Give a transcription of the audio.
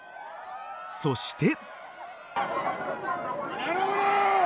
そして。